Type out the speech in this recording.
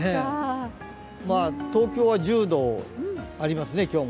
東京は１０度ありますね、今日も。